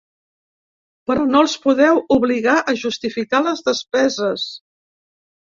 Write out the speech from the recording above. Però no els podeu obligar a justificar les despeses.